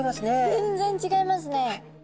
全然違いますね。